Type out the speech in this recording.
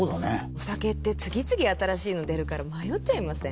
お酒って次々新しいの出るから迷っちゃいません？